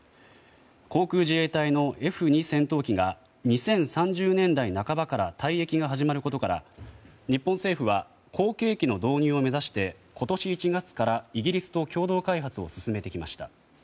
航空自衛隊のＦ２戦闘機が２０３０年代半ばから退役が始まることから日本政府は後継機の導入を目指して今年１月からイギリスと共同開発を進めてきました。